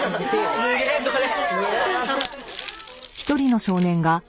すげえこれ！